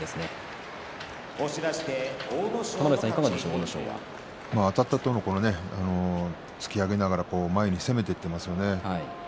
阿武咲はあたったあと突き上げながら前に攻めていっていますね。